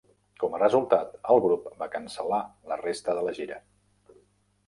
Com a resultat, el grup va cancel·lar la resta de la gira.